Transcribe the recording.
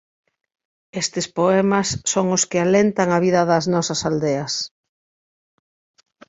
Estes poemas son os que alentan a vida das nosas aldeas!